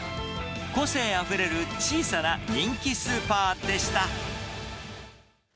個性あふれる小さな人気スーパーでした。